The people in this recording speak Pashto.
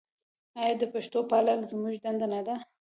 آیا د پښتو پالل زموږ دنده نه ده؟